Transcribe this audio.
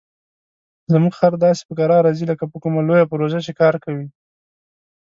زموږ خر داسې په کراره ځي لکه په کومه لویه پروژه چې کار کوي.